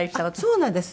そうなんです。